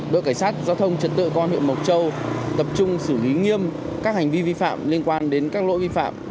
đội cảnh sát giao thông trật tự công an huyện mộc châu tập trung xử lý nghiêm các hành vi vi phạm liên quan đến các lỗi vi phạm